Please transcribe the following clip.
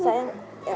tante gak ada